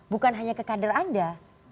bukan hanya ke kader anda